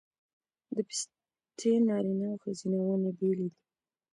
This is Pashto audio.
د پستې نارینه او ښځینه ونې بیلې دي؟